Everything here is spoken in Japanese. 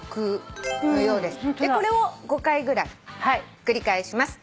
これを５回ぐらい繰り返します。